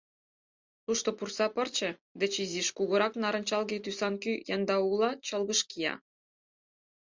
Тушто пурса пырче деч изиш кугурак нарынчалге тӱсан кӱ яндаула чылгыж кия.